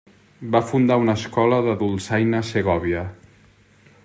Va fundar una escola de dolçaina a Segòvia.